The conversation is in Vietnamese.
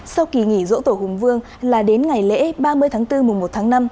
sau kỳ nghỉ dỗ tổ hùng vương là đến ngày lễ ba mươi tháng bốn mùa một tháng năm